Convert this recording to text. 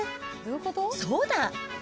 そうだ！